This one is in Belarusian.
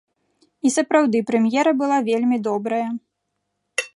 І сапраўды прэм'ера была вельмі добрая.